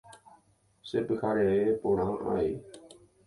Chepyhareve porã avei.